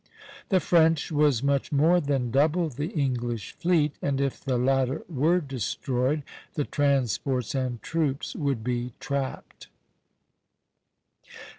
The French was much more than double the English fleet; and if the latter were destroyed, the transports and troops would be trapped.